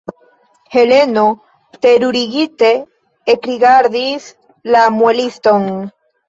Heleno terurigite ekrigardis la mueliston.